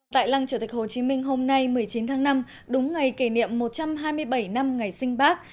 tại lăng chủ tịch hồ chí minh hôm nay một mươi chín tháng năm đúng ngày kỷ niệm một trăm hai mươi bảy năm ngày sinh bác